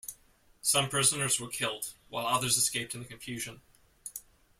Some prisoners were killed, while others escaped in the confusion.